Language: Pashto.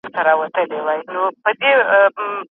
کله به په دې شاړه ځمکه کې نوي باغونه جوړ شي؟